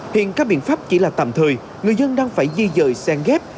hiện các biện pháp chỉ là tạm thời người dân đang phải di dời sen ghép